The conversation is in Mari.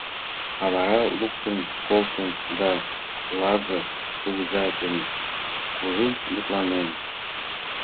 А вара луктын колтен да Лазыр кугыза дене кужун мутланен.